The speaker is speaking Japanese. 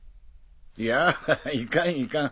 いやいかんいかん。